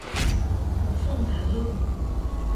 吳鳳南路